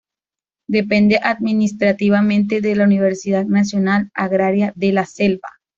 Depende administrativamente de la Universidad Nacional Agraria de la Selva.